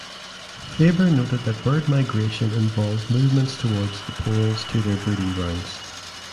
Faber noted that bird migration involved movements towards the poles to their breeding grounds.